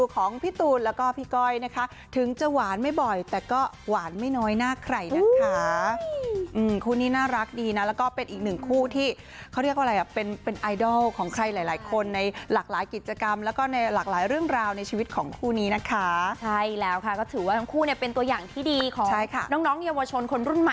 ของพี่ตูนแล้วก็พี่ก้อยนะคะถึงจะหวานไม่บ่อยแต่ก็หวานไม่น้อยหน้าใครนะคะคู่นี้น่ารักดีนะแล้วก็เป็นอีกหนึ่งคู่ที่เขาเรียกว่าอะไรอ่ะเป็นเป็นไอดอลของใครหลายคนในหลากหลายกิจกรรมแล้วก็ในหลากหลายเรื่องราวในชีวิตของคู่นี้นะคะใช่แล้วค่ะก็ถือว่าทั้งคู่เนี่ยเป็นตัวอย่างที่ดีของน้องน้องเยาวชนคนรุ่น